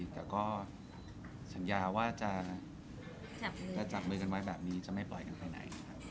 แต่ก็สัญญาว่าจะจับมือกันไว้แบบนี้จะไม่ปล่อยกันไปไหน